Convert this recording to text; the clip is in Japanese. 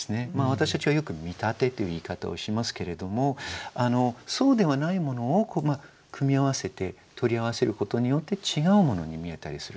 私たちはよく見立てという言い方をしますけれどもそうではないものを組み合わせて取り合わせることによって違うものに見えたりする。